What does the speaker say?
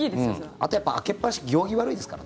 あとやっぱり開けっぱなし行儀悪いですから。